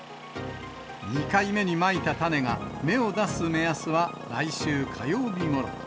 ２回目にまいた種が芽を出す目安は来週火曜日ごろ。